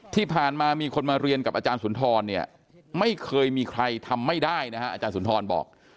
ที่ผ่านมามีคนมาเรียนกับอาจารย์สุนทรเนี่ยไม่เคยมีใครทำไม่ได้นะฮะอาจารย์สุนทรบอก